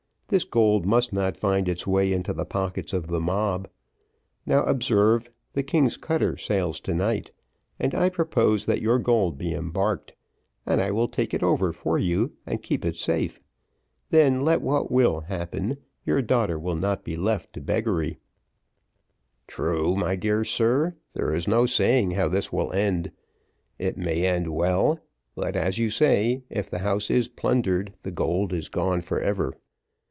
This gold must not find its way into the pockets of the mob. Now, observe, the king's cutter sails to night, and I propose that your gold be embarked, and I will take it over for you and keep it safe. Then, let what will happen, your daughter will not be left to beggary." "True, true, my dear sir, there is no saying how this will end: it may end well; but, as you say, if the house is plundered, the gold is gone for ever.